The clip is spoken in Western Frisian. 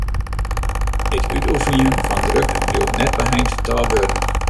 It útoefenjen fan druk bliuwt net beheind ta wurden.